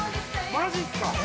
マジっすか！